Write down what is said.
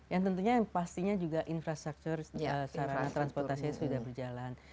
yang tentunya yang pastinya juga infrastruktur sarana transportasinya sudah berjalan